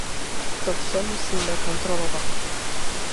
To vše musíme kontrolovat.